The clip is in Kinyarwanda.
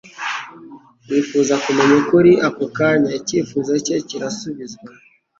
wifuza kumenya ukuri; ako kanya icyifuzo cye kirasubizwa.